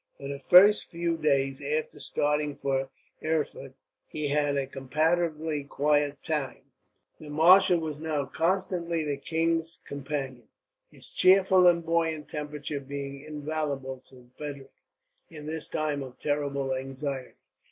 For the first few days after starting for Erfurt, he had a comparatively quiet time of it. The marshal was now constantly the king's companion, his cheerful and buoyant temper being invaluable to Frederick, in this time of terrible anxiety.